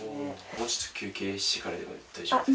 もうちょっと休憩してからでも大丈夫ですか。